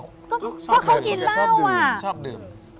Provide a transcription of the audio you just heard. ก็เพราะเขากลิ่นเหล้าอะ